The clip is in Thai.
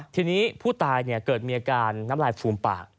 ทีนี้ผู้ตายเกิดมีอาการน้ำลายฟูมปาก